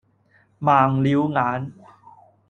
盲了眼